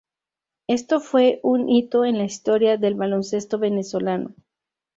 Esto fue un hito en la historia del baloncesto venezolano.